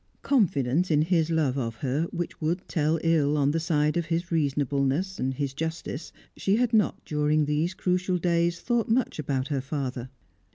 Confident in his love of her, which would tell ill on the side of his reasonableness, his justice, she had not, during these crucial days, thought much about her father.